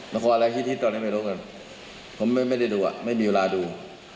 ละครอะไรฮิตตอนนี้ไม่รู้กันผมไม่ได้ดูอ่ะไม่มีเวลาดู